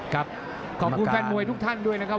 ขอบคุณแฟนมวยทุกท่านด้วยนะครับ